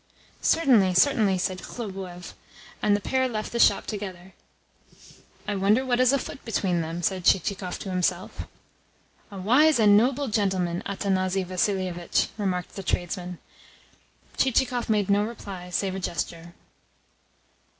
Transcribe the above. "Certainly, certainly," said Khlobuev, and the pair left the shop together. "I wonder what is afoot between them," said Chichikov to himself. "A wise and noble gentleman, Athanasi Vassilievitch!" remarked the tradesman. Chichikov made no reply save a gesture.